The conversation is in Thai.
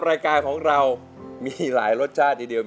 รายการของเรามีหลายรสชาติทีเดียว